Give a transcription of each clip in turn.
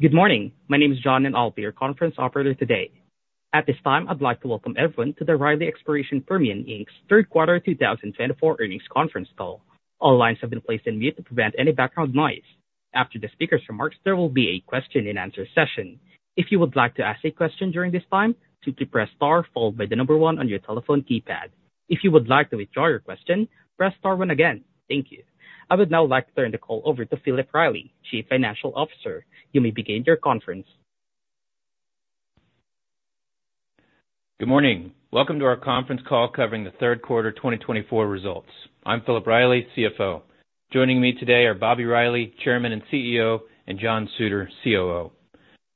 Good morning. My name is Jonathan Albee, your conference operator today. At this time, I'd like to welcome everyone to the Riley Exploration Permian, Inc.'s Third Quarter 2024 Earnings Conference Call. All lines have been placed on mute to prevent any background noise. After the speaker's remarks, there will be a question-and-answer session. If you would like to ask a question during this time, simply press star followed by the number one on your telephone keypad. If you would like to withdraw your question, press star one again. Thank you. I would now like to turn the call over to Philip Riley, Chief Financial Officer. You may begin your conference. Good morning. Welcome to our conference call covering the Third Quarter 2024 results. I'm Philip Riley, CFO. Joining me today are Bobby Riley, Chairman and CEO, and John Suter, COO.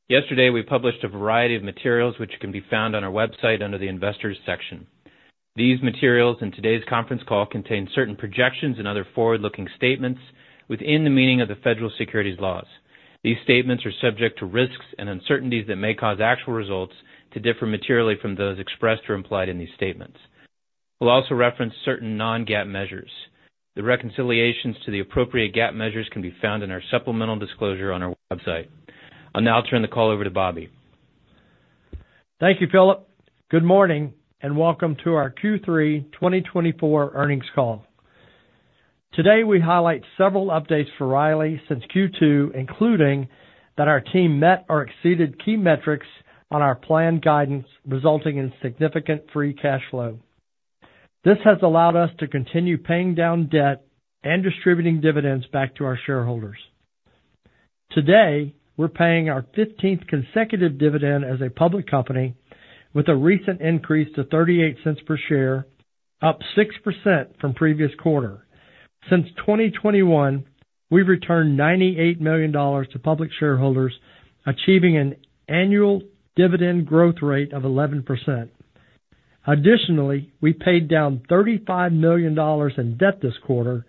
Yesterday, we published a variety of materials which can be found on our website under the Investors section. These materials and today's conference call contain certain projections and other forward-looking statements within the meaning of the federal securities laws. These statements are subject to risks and uncertainties that may cause actual results to differ materially from those expressed or implied in these statements. We'll also reference certain non-GAAP measures. The reconciliations to the appropriate GAAP measures can be found in our Supplemental Disclosure on our website. I'll now turn the call over to Bobby. Thank you, Philip. Good morning and welcome to our Q3 2024 earnings call. Today, we highlight several updates for Riley since Q2, including that our team met or exceeded key metrics on our planned guidance, resulting in significant free cash flow. This has allowed us to continue paying down debt and distributing dividends back to our shareholders. Today, we're paying our 15th consecutive dividend as a public company, with a recent increase to $0.38 per share, up 6% from previous quarter. Since 2021, we've returned $98 million to public shareholders, achieving an annual dividend growth rate of 11%. Additionally, we paid down $35 million in debt this quarter,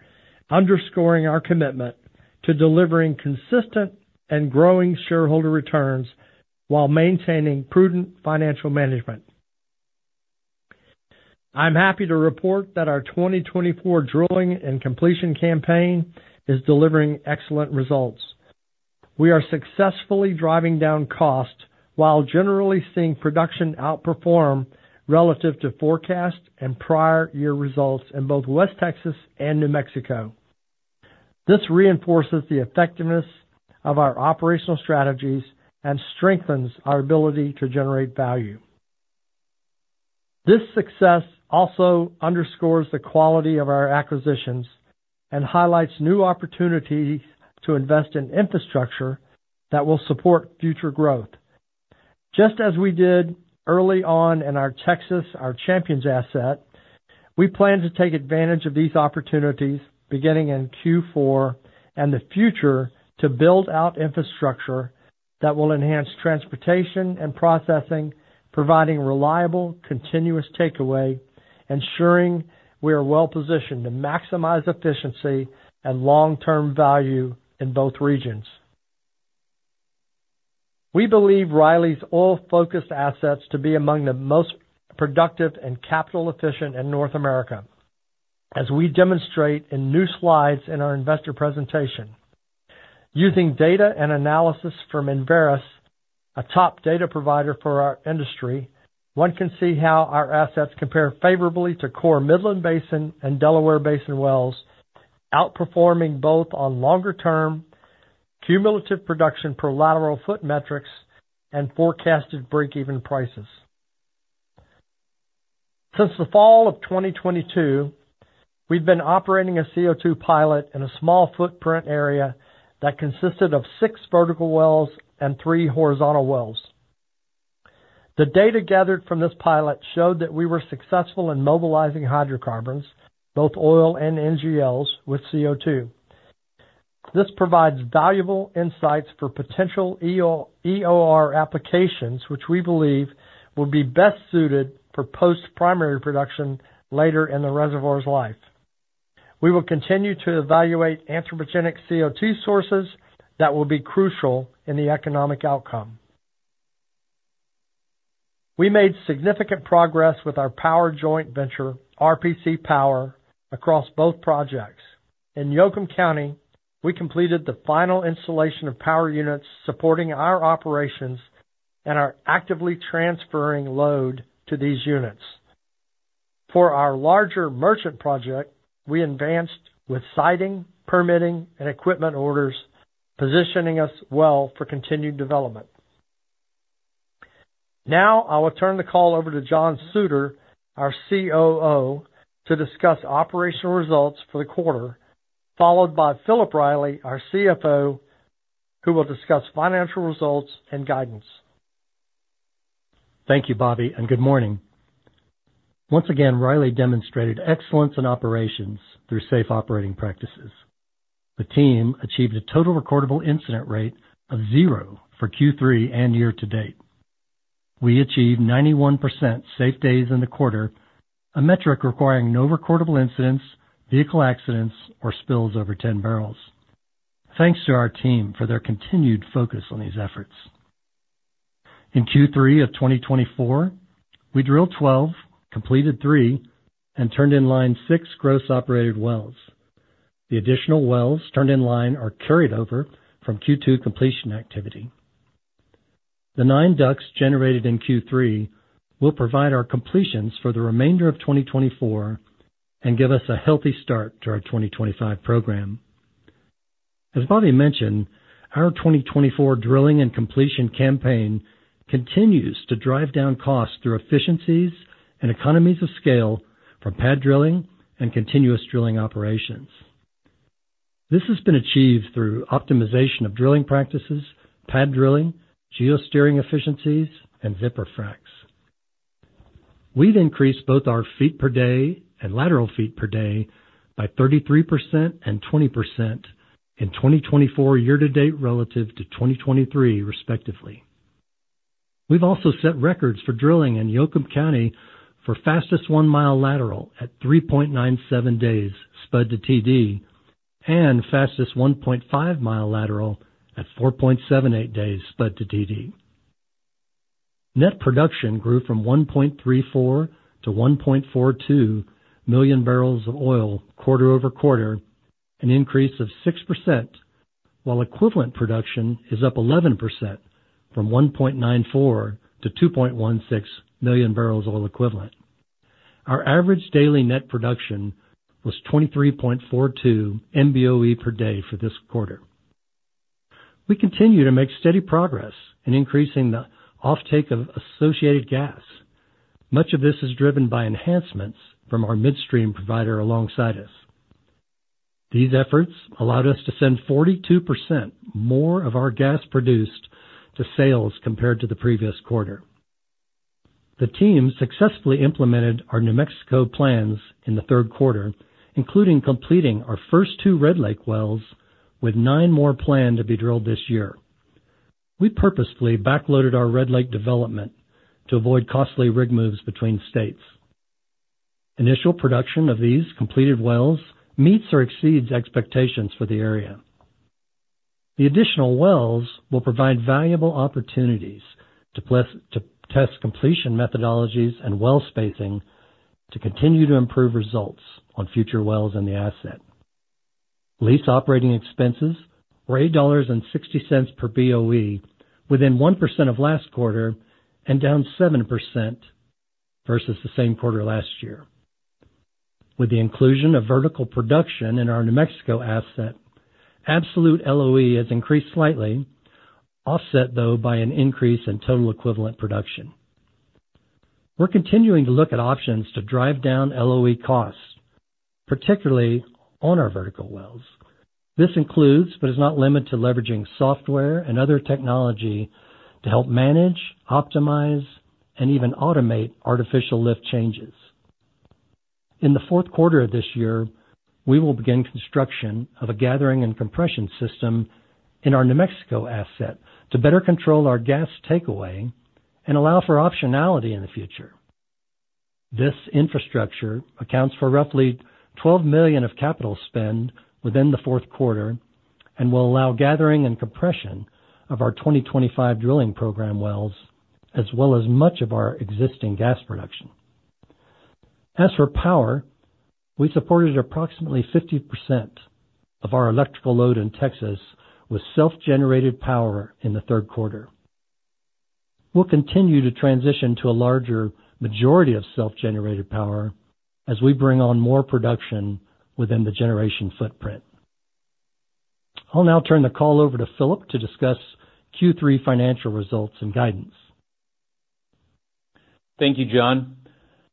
underscoring our commitment to delivering consistent and growing shareholder returns while maintaining prudent financial management. I'm happy to report that our 2024 drilling and completion campaign is delivering excellent results. We are successfully driving down cost while generally seeing production outperform relative to forecast and prior year results in both West Texas and New Mexico. This reinforces the effectiveness of our operational strategies and strengthens our ability to generate value. This success also underscores the quality of our acquisitions and highlights new opportunities to invest in infrastructure that will support future growth. Just as we did early on in our Texas, our Champions asset, we plan to take advantage of these opportunities beginning in Q4 and the future to build out infrastructure that will enhance transportation and processing, providing reliable, continuous takeaway, ensuring we are well positioned to maximize efficiency and long-term value in both regions. We believe Riley's oil-focused assets to be among the most productive and capital-efficient in North America, as we demonstrate in new slides in our investor presentation. Using data and analysis from Enverus, a top data provider for our industry, one can see how our assets compare favorably to Core Midland Basin and Delaware Basin wells, outperforming both on longer-term cumulative production per lateral foot metrics and forecasted break-even prices. Since the fall of 2022, we've been operating a CO2 pilot in a small footprint area that consisted of six vertical wells and three horizontal wells. The data gathered from this pilot showed that we were successful in mobilizing hydrocarbons, both oil and NGLs, with CO2. This provides valuable insights for potential EOR applications, which we believe will be best suited for post-primary production later in the reservoir's life. We will continue to evaluate anthropogenic CO2 sources that will be crucial in the economic outcome. We made significant progress with our power joint venture, RPC Power, across both projects. In Yoakum County, we completed the final installation of power units supporting our operations and are actively transferring load to these units. For our larger merchant project, we advanced with siting, permitting, and equipment orders, positioning us well for continued development. Now, I will turn the call over to John Suter, our COO, to discuss operational results for the quarter, followed by Philip Riley, our CFO, who will discuss financial results and guidance. Thank you, Bobby, and good morning. Once again, Riley demonstrated excellence in operations through safe operating practices. The team achieved a Total Recordable Incident Rate of zero for Q3 and year to date. We achieved 91% safe days in the quarter, a metric requiring no recordable incidents, vehicle accidents, or spills over 10 barrels. Thanks to our team for their continued focus on these efforts. In Q3 of 2024, we drilled 12, completed 3, and turned in line 6 gross operated wells. The additional wells turned in line are carried over from Q2 completion activity. The nine DUCs generated in Q3 will provide our completions for the remainder of 2024 and give us a healthy start to our 2025 program. As Bobby mentioned, our 2024 drilling and completion campaign continues to drive down costs through efficiencies and economies of scale from pad drilling and continuous drilling operations. This has been achieved through optimization of drilling practices, pad drilling, geosteering efficiencies, and zipper fracs. We've increased both our feet per day and lateral feet per day by 33% and 20% in 2024 year to date relative to 2023, respectively. We've also set records for drilling in Yoakum County for fastest one-mile lateral at 3.97 days spud to TD and fastest 1.5-mile lateral at 4.78 days spud to TD. Net production grew from 1.34 to 1.42 million barrels of oil quarter over quarter, an increase of 6%, while equivalent production is up 11% from 1.94 to 2.16 million barrels of oil equivalent. Our average daily net production was 23.42 MBOE per day for this quarter. We continue to make steady progress in increasing the offtake of associated gas. Much of this is driven by enhancements from our midstream provider alongside us. These efforts allowed us to send 42% more of our gas produced to sales compared to the previous quarter. The team successfully implemented our New Mexico plans in the third quarter, including completing our first two Red Lake wells, with nine more planned to be drilled this year. We purposefully backloaded our Red Lake development to avoid costly rig moves between states. Initial production of these completed wells meets or exceeds expectations for the area. The additional wells will provide valuable opportunities to test completion methodologies and well spacing to continue to improve results on future wells in the asset. Lease operating expenses were $8.60 per BOE within 1% of last quarter and down 7% versus the same quarter last year. With the inclusion of vertical production in our New Mexico asset, absolute LOE has increased slightly, offset, though, by an increase in total equivalent production. We're continuing to look at options to drive down LOE costs, particularly on our vertical wells. This includes but is not limited to leveraging software and other technology to help manage, optimize, and even automate artificial lift changes. In the fourth quarter of this year, we will begin construction of a gathering and compression system in our New Mexico asset to better control our gas takeaway and allow for optionality in the future. This infrastructure accounts for roughly $12 million of capital spend within the fourth quarter and will allow gathering and compression of our 2025 drilling program wells, as well as much of our existing gas production. As for power, we supported approximately 50% of our electrical load in Texas with self-generated power in the third quarter. We'll continue to transition to a larger majority of self-generated power as we bring on more production within the generation footprint. I'll now turn the call over to Philip to discuss Q3 financial results and guidance. Thank you, John.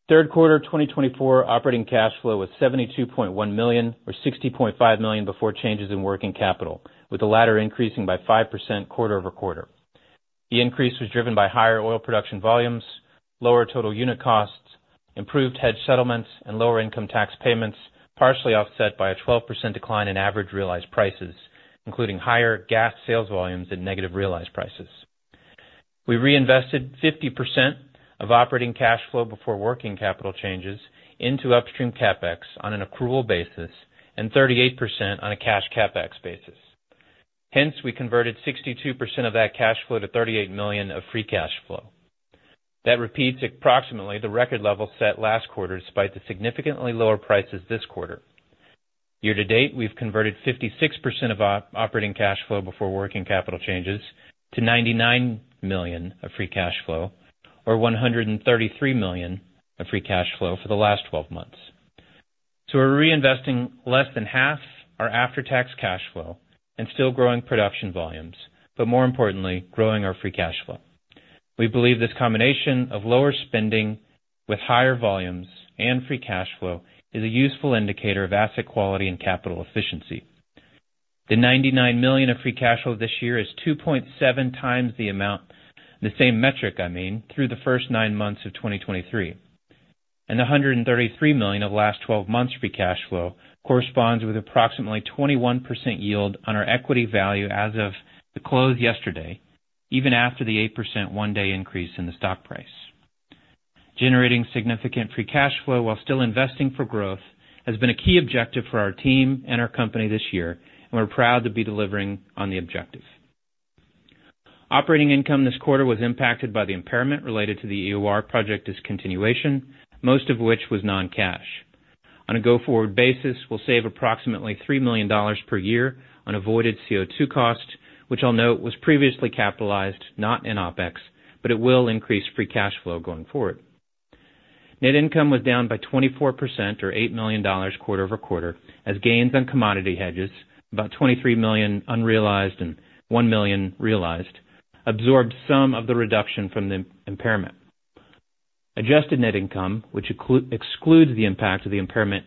Third quarter 2024 operating cash flow was $72.1 million or $60.5 million before changes in working capital, with the latter increasing by 5% quarter over quarter. The increase was driven by higher oil production volumes, lower total unit costs, improved hedge settlements, and lower income tax payments, partially offset by a 12% decline in average realized prices, including higher gas sales volumes and negative realized prices. We reinvested 50% of operating cash flow before working capital changes into upstream CapEx on an accrual basis and 38% on a cash CapEx basis. Hence, we converted 62% of that cash flow to $38 million of free cash flow. That repeats approximately the record level set last quarter, despite the significantly lower prices this quarter. Year to date, we've converted 56% of operating cash flow before working capital changes to $99 million of free cash flow or $133 million of free cash flow for the last 12 months, so we're reinvesting less than half our after-tax cash flow and still growing production volumes, but more importantly, growing our free cash flow. We believe this combination of lower spending with higher volumes and free cash flow is a useful indicator of asset quality and capital efficiency. The $99 million of free cash flow this year is 2.7x the amount, the same metric, I mean, through the first nine months of 2023, and the $133 million of last 12 months free cash flow corresponds with approximately 21% yield on our equity value as of the close yesterday, even after the 8% one-day increase in the stock price. Generating significant free cash flow while still investing for growth has been a key objective for our team and our company this year, and we're proud to be delivering on the objective. Operating income this quarter was impacted by the impairment related to the EOR project's continuation, most of which was non-cash. On a go-forward basis, we'll save approximately $3 million per year on avoided CO2 cost, which I'll note was previously capitalized, not in OpEx, but it will increase free cash flow going forward. Net income was down by 24% or $8 million quarter over quarter, as gains on commodity hedges, about $23 million unrealized and $1 million realized, absorbed some of the reduction from the impairment. Adjusted net income, which excludes the impact of the impairment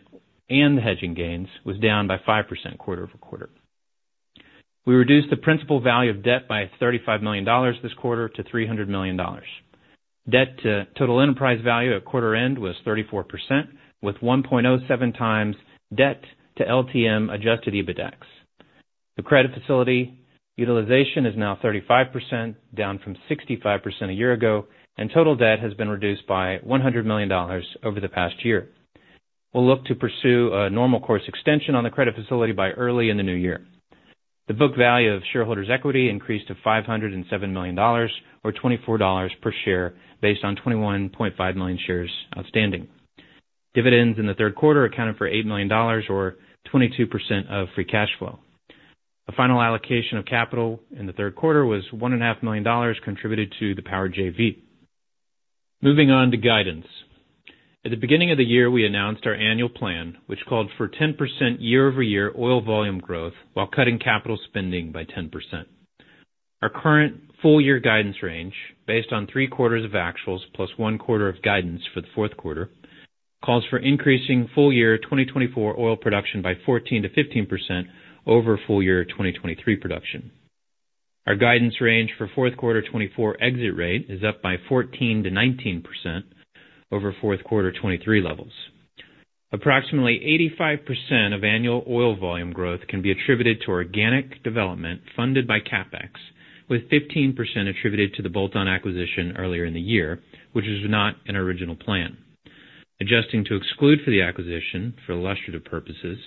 and the hedging gains, was down by 5% quarter over quarter. We reduced the principal value of debt by $35 million this quarter to $300 million. Debt to total enterprise value at quarter end was 34%, with 1.07x debt to LTM Adjusted EBITDAX. The credit facility utilization is now 35%, down from 65% a year ago, and total debt has been reduced by $100 million over the past year. We'll look to pursue a normal course extension on the credit facility by early in the new year. The book value of shareholders' equity increased to $507 million or $24 per share based on 21.5 million shares outstanding. Dividends in the third quarter accounted for $8 million or 22% of free cash flow. A final allocation of capital in the third quarter was $1.5 million contributed to the Power JV. Moving on to guidance. At the beginning of the year, we announced our annual plan, which called for 10% year-over-year oil volume growth while cutting capital spending by 10%. Our current full-year guidance range, based on three quarters of actuals plus one quarter of guidance for the fourth quarter, calls for increasing full-year 2024 oil production by 14%-15% over full-year 2023 production. Our guidance range for fourth quarter 2024 exit rate is up by 14%-19% over fourth quarter 2023 levels. Approximately 85% of annual oil volume growth can be attributed to organic development funded by CapEx, with 15% attributed to the bolt-on acquisition earlier in the year, which was not an original plan. Adjusting to exclude for the acquisition for illustrative purposes,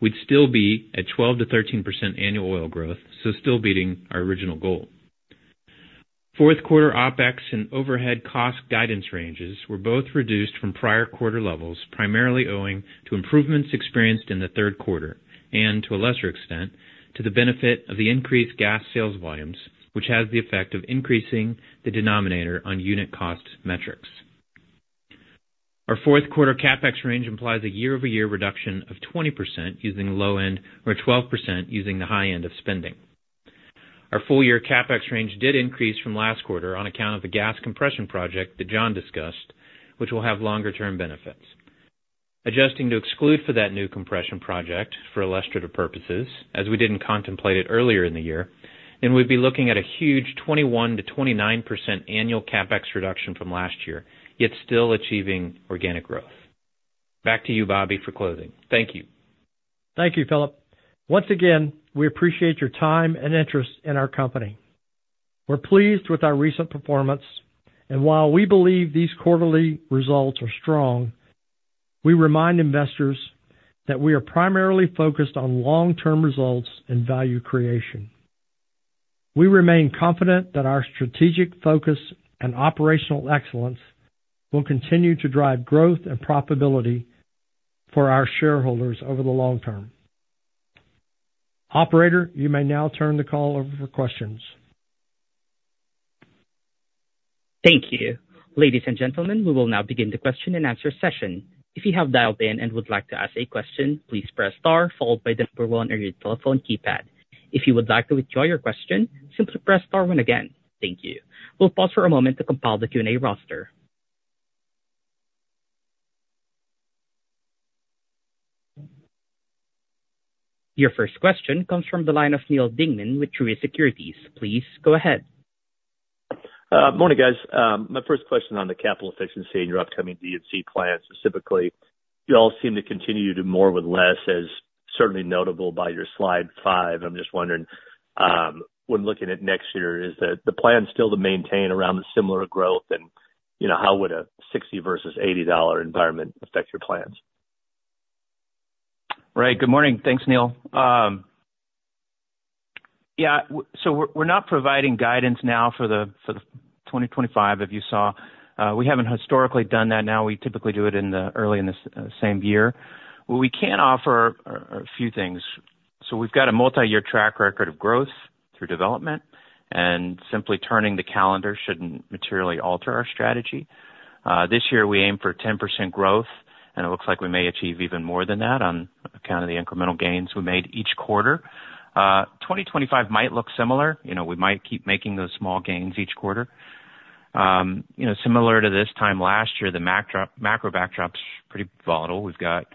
we'd still be at 12%-13% annual oil growth, so still beating our original goal. Fourth quarter OpEx and overhead cost guidance ranges were both reduced from prior quarter levels, primarily owing to improvements experienced in the third quarter and, to a lesser extent, to the benefit of the increased gas sales volumes, which has the effect of increasing the denominator on unit cost metrics. Our fourth quarter CapEx range implies a year-over-year reduction of 20% using the low end or 12% using the high end of spending. Our full-year CapEx range did increase from last quarter on account of the gas compression project that Jon discussed, which will have longer-term benefits. Adjusting to exclude for that new compression project, for illustrative purposes, as we didn't contemplate it earlier in the year, then we'd be looking at a huge 21%-29% annual CapEx reduction from last year, yet still achieving organic growth. Back to you, Bobby, for closing. Thank you. Thank you, Philip. Once again, we appreciate your time and interest in our company. We're pleased with our recent performance, and while we believe these quarterly results are strong, we remind investors that we are primarily focused on long-term results and value creation. We remain confident that our strategic focus and operational excellence will continue to drive growth and profitability for our shareholders over the long term. Operator, you may now turn the call over for questions. Thank you. Ladies and gentlemen, we will now begin the question and answer session. If you have dialed in and would like to ask a question, please press star followed by the number one on your telephone keypad. If you would like to withdraw your question, simply press star one again. Thank you. We'll pause for a moment to compile the Q&A roster. Your first question comes from the line of Neal Dingmann with Truist Securities. Please go ahead. Morning, guys. My first question on the capital efficiency and your upcoming D&C plan specifically. You all seem to continue to do more with less, as certainly notable by your slide five. I'm just wondering, when looking at next year, is the plan still to maintain around the similar growth? And how would a $60 versus $80 environment affect your plans? Right. Good morning. Thanks, Neil. Yeah. So we're not providing guidance now for the 2025, as you saw. We haven't historically done that. Now, we typically do it early in the same year. We can offer a few things. So we've got a multi-year track record of growth through development, and simply turning the calendar shouldn't materially alter our strategy. This year, we aim for 10% growth, and it looks like we may achieve even more than that on account of the incremental gains we made each quarter. 2025 might look similar. We might keep making those small gains each quarter. Similar to this time last year, the macro backdrop's pretty volatile. We've got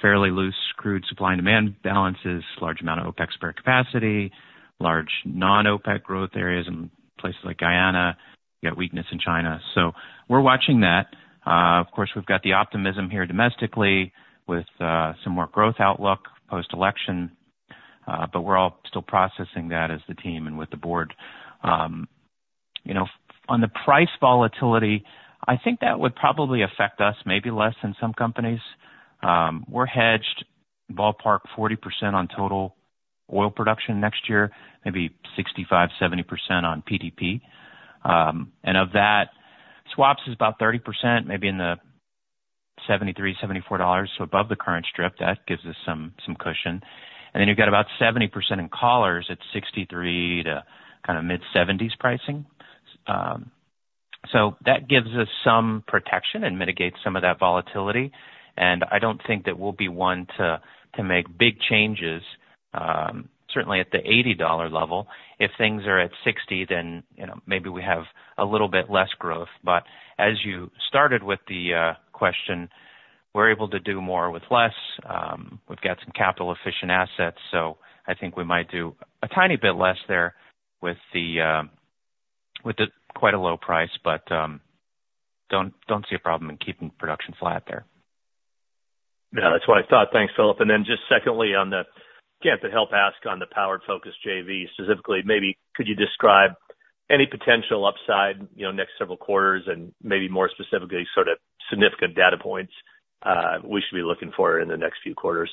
fairly loose crude supply and demand balances, large amount of OPEC spare capacity, large non-OPEC growth areas in places like Guyana. We've got weakness in China. So we're watching that. Of course, we've got the optimism here domestically with some more growth outlook post-election, but we're all still processing that as the team and with the board. On the price volatility, I think that would probably affect us maybe less than some companies. We're hedged ballpark 40% on total oil production next year, maybe 65%-70% on PDP, and of that, swaps is about 30%, maybe in the $73-$74, so above the current strip. That gives us some cushion, and then you've got about 70% in collars at $63 to kind of mid-$70s pricing. That gives us some protection and mitigates some of that volatility, and I don't think that we'll be one to make big changes, certainly at the $80 level. If things are at $60, then maybe we have a little bit less growth. But as you started with the question, we're able to do more with less. We've got some capital-efficient assets, so I think we might do a tiny bit less there with quite a low price, but don't see a problem in keeping production flat there. Yeah. That's what I thought. Thanks, Philip. And then just secondly, again, to help ask on the RPC Power specifically, maybe could you describe any potential upside next several quarters and maybe more specifically sort of significant data points we should be looking for in the next few quarters?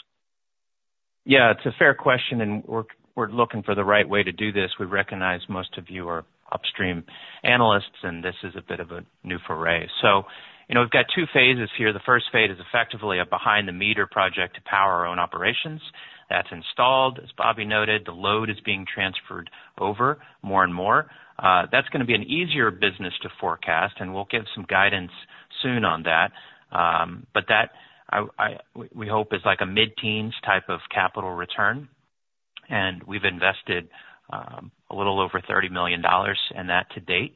Yeah. It's a fair question, and we're looking for the right way to do this. We recognize most of you are upstream analysts, and this is a bit of a new foray so we've got two phases here. The first phase is effectively a behind-the-meter project to power our own operations. That's installed, as Bobby noted. The load is being transferred over more and more. That's going to be an easier business to forecast, and we'll give some guidance soon on that but that, we hope, is like a mid-teens type of capital return, and we've invested a little over $30 million in that to date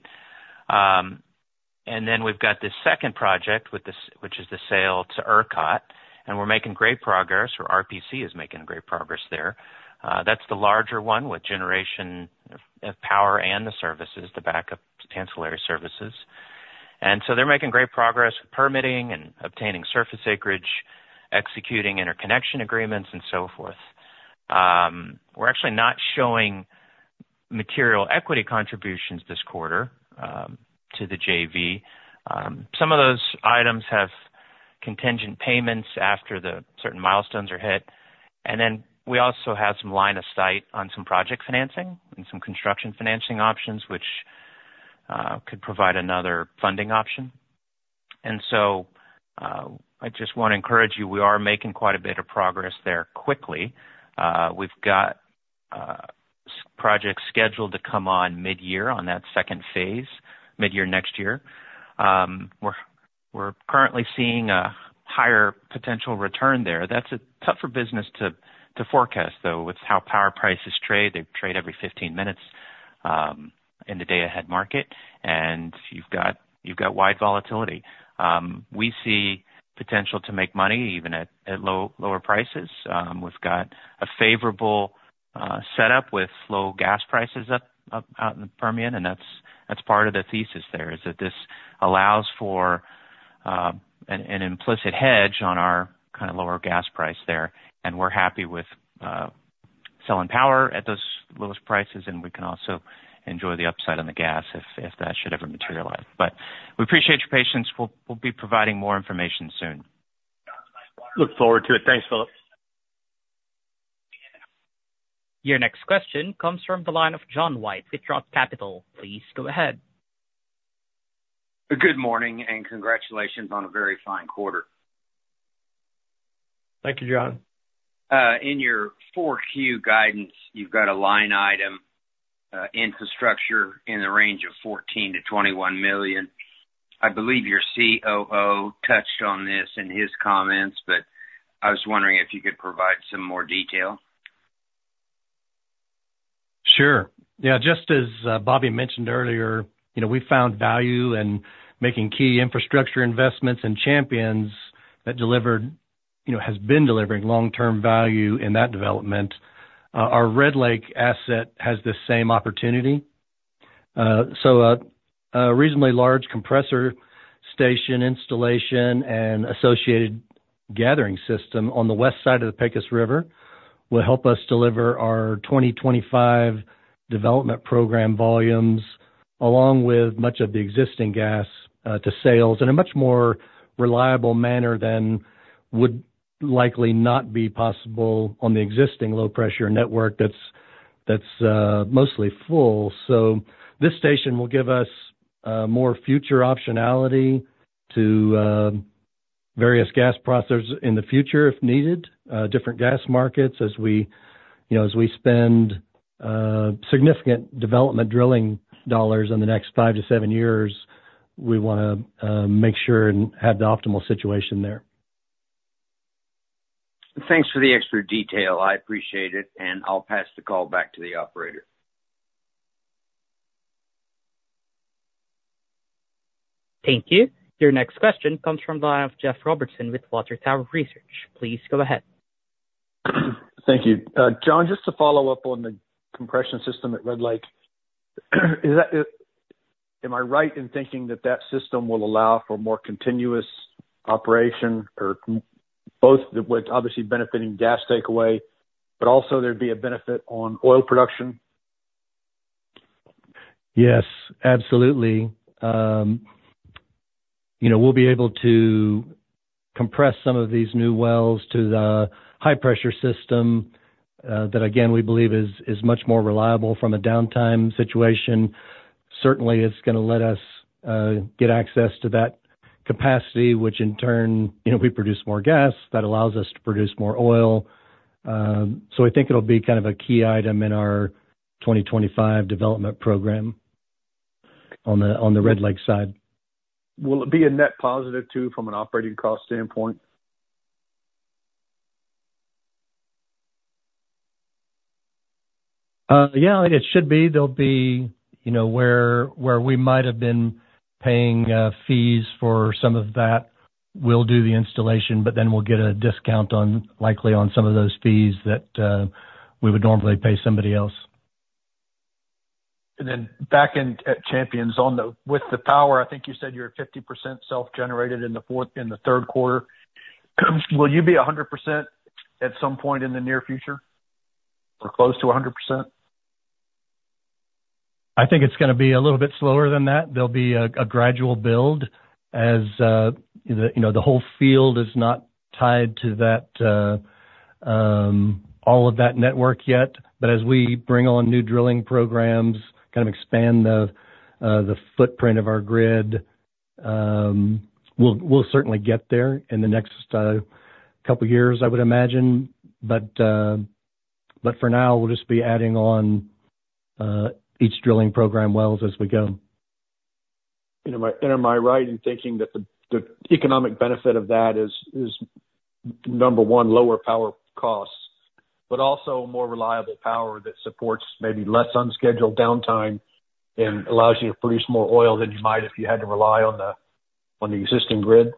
and then we've got this second project, which is the sale to ERCOT, and we're making great progress, or RPC is making great progress there. That's the larger one with generation of power and the services, the backup ancillary services. And so they're making great progress with permitting and obtaining surface acreage, executing interconnection agreements, and so forth. We're actually not showing material equity contributions this quarter to the JV. Some of those items have contingent payments after certain milestones are hit. And then we also have some line of sight on some project financing and some construction financing options, which could provide another funding option. And so I just want to encourage you, we are making quite a bit of progress there quickly. We've got projects scheduled to come on mid-year on that second phase, mid-year next year. We're currently seeing a higher potential return there. That's tough for business to forecast, though, with how power prices trade. They trade every 15 minutes in the day-ahead market, and you've got wide volatility. We see potential to make money even at lower prices. We've got a favorable setup with low gas prices out in the Permian, and that's part of the thesis there, is that this allows for an implicit hedge on our kind of lower gas price there. And we're happy with selling power at those lowest prices, and we can also enjoy the upside on the gas if that should ever materialize. But we appreciate your patience. We'll be providing more information soon. Look forward to it. Thanks, Philip. Your next question comes from the line of John White, Roth MKM. Please go ahead. Good morning, and congratulations on a very fine quarter. Thank you, John. In your 4Q guidance, you've got a line item infrastructure in the range of $14 million-$21 million. I believe your COO touched on this in his comments, but I was wondering if you could provide some more detail? Sure. Yeah. Just as Bobby mentioned earlier, we found value in making key infrastructure investments in Champions that has been delivering long-term value in that development. Our Red Lake asset has the same opportunity, so a reasonably large compressor station installation and associated gathering system on the west side of the Pecos River will help us deliver our 2025 development program volumes, along with much of the existing gas to sales in a much more reliable manner than would likely not be possible on the existing low-pressure network that's mostly full, so this station will give us more future optionality to various gas processors in the future if needed, different gas markets. As we spend significant development drilling dollars in the next five to seven years, we want to make sure and have the optimal situation there. Thanks for the extra detail. I appreciate it, and I'll pass the call back to the operator. Thank you. Your next question comes from the line of Jeff Robertson with Water Tower Research. Please go ahead. Thank you. John, just to follow up on the compression system at Red Lake, am I right in thinking that that system will allow for more continuous operation or both with obviously benefiting gas takeaway, but also there'd be a benefit on oil production? Yes, absolutely. We'll be able to compress some of these new wells to the high-pressure system that, again, we believe is much more reliable from a downtime situation. Certainly, it's going to let us get access to that capacity, which in turn, we produce more gas that allows us to produce more oil. So I think it'll be kind of a key item in our 2025 development program on the Red Lake side. Will it be a net positive, too, from an operating cost standpoint? Yeah, it should be. There'll be where we might have been paying fees for some of that, we'll do the installation, but then we'll get a discount likely on some of those fees that we would normally pay somebody else. And then back at Champions on the with the power, I think you said you're 50% self-generated in the third quarter. Will you be 100% at some point in the near future or close to 100%? I think it's going to be a little bit slower than that. There'll be a gradual build as the whole field is not tied to all of that network yet. But as we bring on new drilling programs, kind of expand the footprint of our grid, we'll certainly get there in the next couple of years, I would imagine. But for now, we'll just be adding on each drilling program wells as we go. Am I right in thinking that the economic benefit of that is, number one, lower power costs, but also more reliable power that supports maybe less unscheduled downtime and allows you to produce more oil than you might if you had to rely on the existing grid?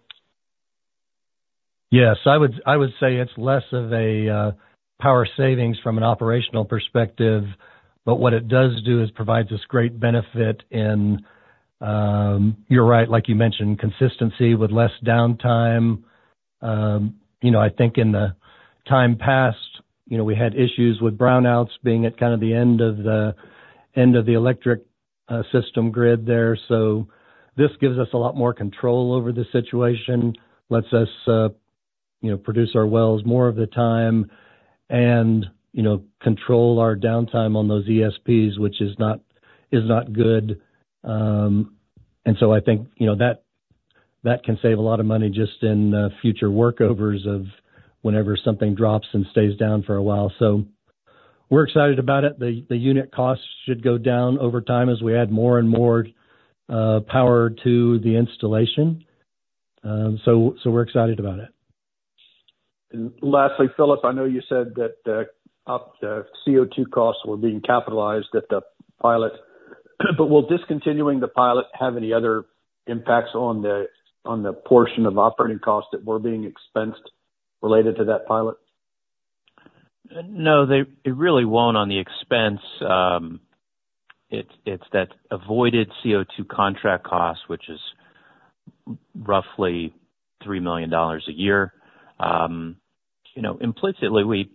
Yes. I would say it's less of a power savings from an operational perspective, but what it does do is provide this great benefit in, you're right, like you mentioned, consistency with less downtime. I think in times past, we had issues with brownouts being at kind of the end of the electric system grid there, so this gives us a lot more control over the situation, lets us produce our wells more of the time, and control our downtime on those ESPs, which is not good, and so I think that can save a lot of money just in future workovers or whenever something drops and stays down for a while, so we're excited about it. The unit costs should go down over time as we add more and more power to the installation, so we're excited about it. And lastly, Philip, I know you said that the CO2 costs were being capitalized at the pilot, but will discontinuing the pilot have any other impacts on the portion of operating costs that were being expensed related to that pilot? No, it really won't on the expense. It's that avoided CO2 contract cost, which is roughly $3 million a year. Implicitly,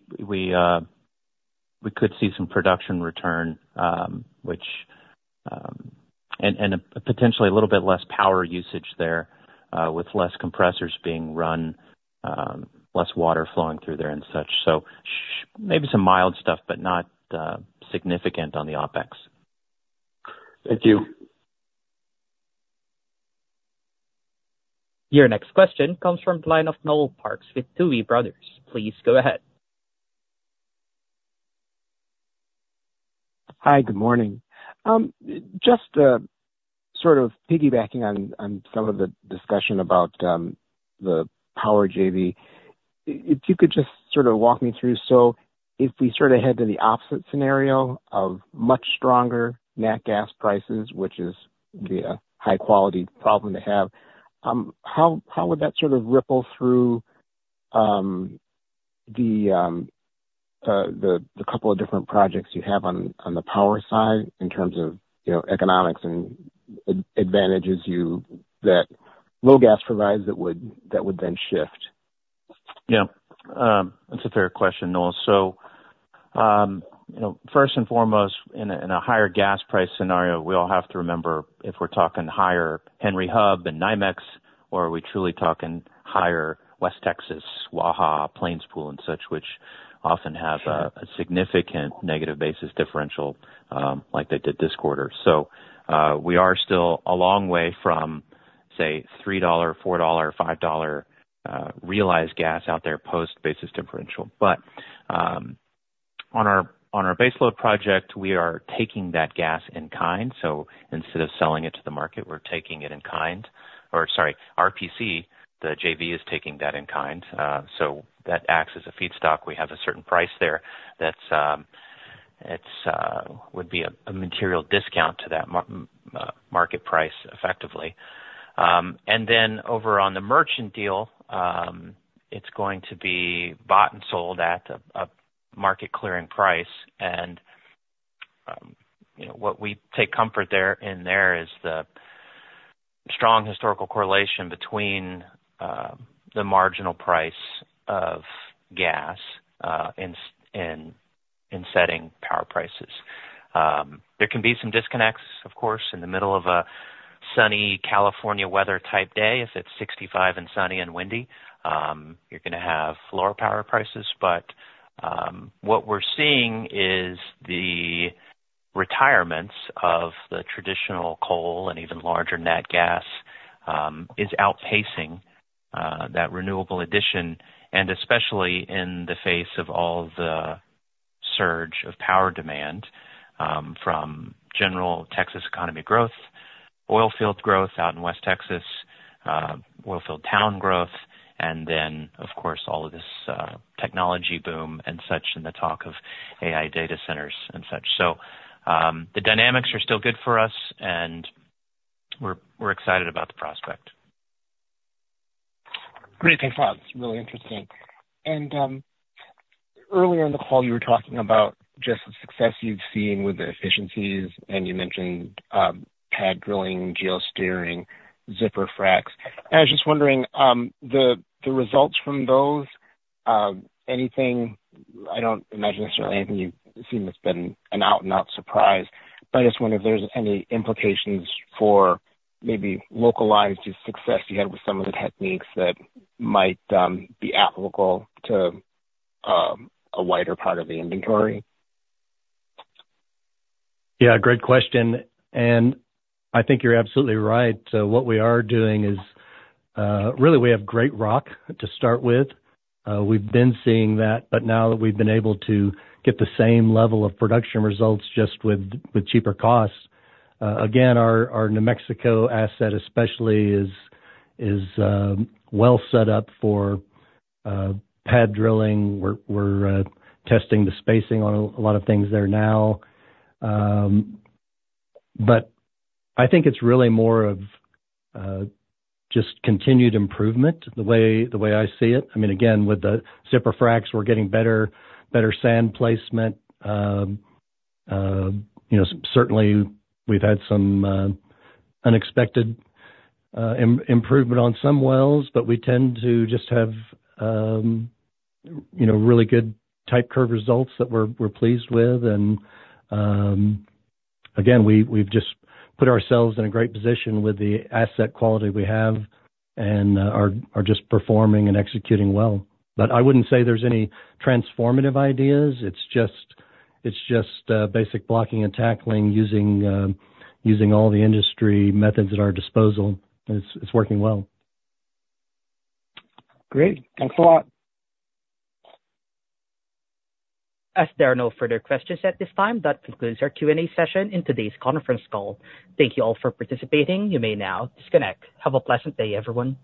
we could see some production return, which, and potentially a little bit less power usage there with less compressors being run, less water flowing through there, and such. So maybe some mild stuff, but not significant on the OpEx. Thank you. Your next question comes from the line of Noel Parks with Tuohy Brothers. Please go ahead. Hi, good morning. Just sort of piggybacking on some of the discussion about the power JV, if you could just sort of walk me through, so if we sort of head to the opposite scenario of much stronger natural gas prices, which is the high-quality problem to have, how would that sort of ripple through the couple of different projects you have on the power side in terms of economics and advantages that low gas provides that would then shift? Yeah. That's a fair question, Noel. So first and foremost, in a higher gas price scenario, we all have to remember if we're talking higher Henry Hub and NYMEX, or are we truly talking higher West Texas, Waha, Plains Pool, and such, which often have a significant negative basis differential like they did this quarter. So we are still a long way from, say, $3, $4, $5 realized gas out there post-basis differential. But on our baseload project, we are taking that gas in kind. So instead of selling it to the market, we're taking it in kind. Or sorry, RPC, the JV is taking that in kind. So that acts as a feedstock. We have a certain price there that would be a material discount to that market price effectively. And then over on the merchant deal, it's going to be bought and sold at a market-clearing price. What we take comfort in there is the strong historical correlation between the marginal price of gas in setting power prices. There can be some disconnects, of course, in the middle of a sunny California weather type day. If it's 65 degrees Fahrenheit and sunny and windy, you're going to have lower power prices. What we're seeing is the retirements of the traditional coal and even larger natural gas is outpacing that renewable addition, and especially in the face of all the surge of power demand from general Texas economy growth, oil field growth out in West Texas, oil field town growth, and then, of course, all of this technology boom and such in the talk of AI data centers and such. The dynamics are still good for us, and we're excited about the prospect. Great answers. Really interesting. And earlier in the call, you were talking about just the success you've seen with the efficiencies, and you mentioned pad drilling, geo-steering, zipper frac. And I was just wondering, the results from those, I don't imagine necessarily anything you've seen that's been an out-and-out surprise, but I just wonder if there's any implications for maybe localized success you had with some of the techniques that might be applicable to a wider part of the inventory? Yeah, great question. And I think you're absolutely right. So what we are doing is really we have great rock to start with. We've been seeing that, but now that we've been able to get the same level of production results just with cheaper costs, again, our New Mexico asset especially is well set up for pad drilling. We're testing the spacing on a lot of things there now. But I think it's really more of just continued improvement the way I see it. I mean, again, with the zipper fracs, we're getting better sand placement. Certainly, we've had some unexpected improvement on some wells, but we tend to just have really good type curve results that we're pleased with. And again, we've just put ourselves in a great position with the asset quality we have and are just performing and executing well. But I wouldn't say there's any transformative ideas. It's just basic blocking and tackling using all the industry methods at our disposal. It's working well. Great. Thanks a lot. As there are no further questions at this time, that concludes our Q&A session in today's conference call. Thank you all for participating. You may now disconnect. Have a pleasant day, everyone.